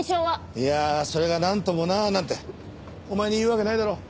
いやあそれがなんともななんてお前に言うわけないだろう。